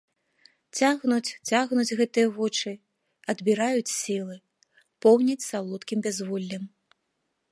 Цягнуць, цягнуць гэтыя вочы, адбіраюць сілы, поўняць салодкім бязволлем.